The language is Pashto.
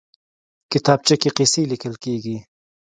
کتابچه کې قصې لیکل کېږي